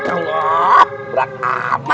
aloh berat amat